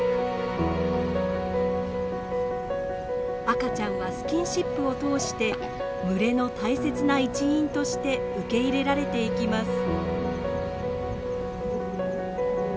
赤ちゃんはスキンシップを通して群れの大切な一員として受け入れられていきます。